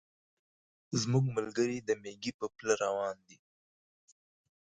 زموږ ملګري د مېږي په پله روان دي.